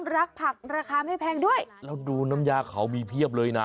รักผักราคาก็ไม่แพงด้วยดูน้ำยาเคาราคามีเปรี้ยบเลยนะ